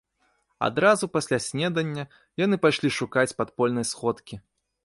Адразу пасля снедання яны пайшлі шукаць падпольнай сходкі.